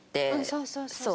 そうそうそうそう。